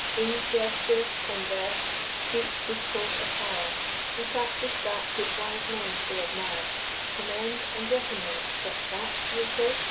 In's gesture, converse, speech, discourse, attire, He practis'd that which wise men still admire, Commend, and recommend. What's that? you'll say.